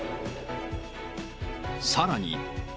さらに。